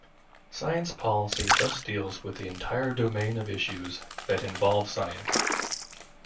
Science policy thus deals with the entire domain of issues that involve science.